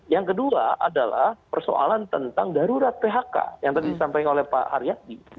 yang kedua adalah persoalan tentang darurat phk yang tadi disampaikan oleh pak haryadi